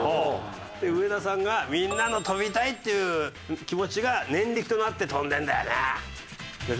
上田さんが「みんなの飛びたいっていう気持ちが念力となって飛んでるんだよね」。